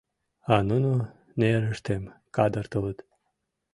А нуно нерыштым кадыртылыт.